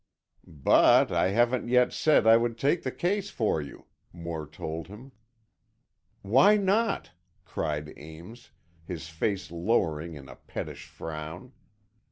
"But I haven't yet said I would take the case for you," Moore told him. "Why not?" cried Ames, his face lowering in a pettish frown.